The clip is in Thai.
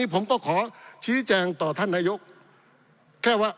ปี๑เกณฑ์ทหารแสน๒